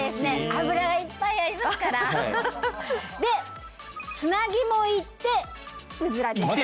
脂がいっぱいありますからで砂肝いってうずらです